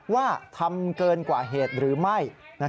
ว่าทำเกินกว่าเหตุหรือไม่